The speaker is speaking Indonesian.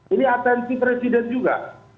ini atensi presiden juga